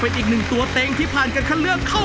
ช่วยฝังดินหรือกว่า